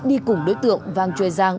đi cùng đối tượng vàng chuyên giang